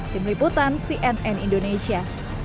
tim liputan cnn indonesia